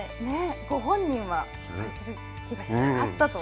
ご本人は失敗する気がしなかったと。